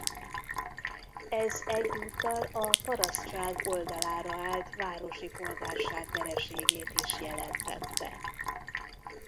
Ez egyúttal a parasztság oldalára állt városi polgárság vereségét is jelentette.